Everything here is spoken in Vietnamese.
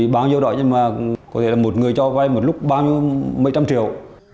bao nhiêu đoạn nhưng mà có thể là một người cho vai một lúc bao nhiêu mấy trăm triệu